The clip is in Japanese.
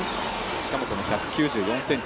しかも１９４ｃｍ